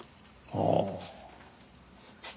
ああ。